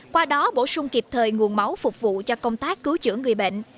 qua đó bổ sung kịp thời nguồn máu phục vụ cho công tác cứu chữa người bệnh